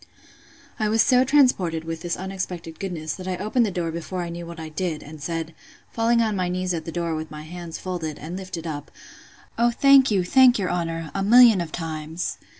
I was so transported with this unexpected goodness, that I opened the door before I knew what I did; and said, falling on my knees at the door, with my hands folded, and lifted up, O thank you, thank your honour, a million of times!